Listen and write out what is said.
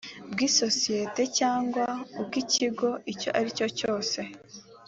bw isosiyete cyangwa ubw ikigo icyo ari cyo cyose